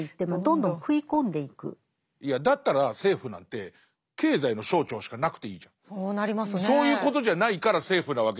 いやだったら政府なんてそういうことじゃないから政府なわけじゃないですか。